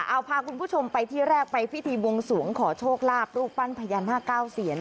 เอาพาคุณผู้ชมไปที่แรกไปพิธีบวงสวงขอโชคลาภรูปปั้นพญานาคเก้าเซียน